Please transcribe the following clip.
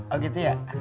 oh gitu ya